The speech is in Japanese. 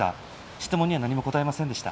質問には何も答えませんでした。